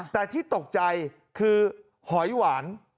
แต่ที่ตกใจคือหอยหวาน